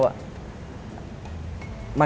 มันก็เลยตั้งคำถามว่า